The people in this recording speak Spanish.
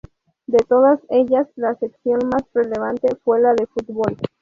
De todas ellas, la sección más relevante fue la de fútbol.